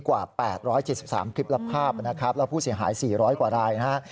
กว่า๘๗๓คลิปและภาพนะครับแล้วผู้เสียหาย๔๐๐กว่ารายนะฮะ